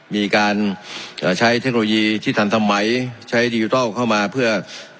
มีการใช้เทคโนโลยีที่ทันสมัยใช้ดิจิทัลเข้ามาเพื่อ